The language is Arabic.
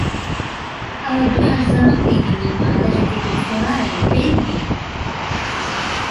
أود حجز موعد للمعالجة بالفلورايد لابني.